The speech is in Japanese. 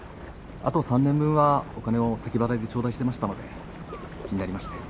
あと３年分はお金を先払いで頂戴してましたので気になりまして。